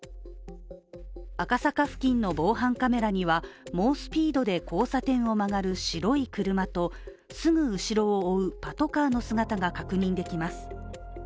赤坂付近の防犯カメラには、猛スピードで交差点を曲がる白い車とすぐ後ろを追うパトカーの姿が確認できます。